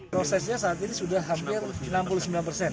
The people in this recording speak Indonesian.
prosesnya saat ini sudah hampir enam puluh sembilan persen